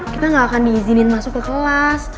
kita nggak akan diizinin masuk ke kelas